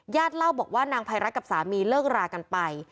เล่าบอกว่านางภัยรัฐกับสามีเลิกรากันไป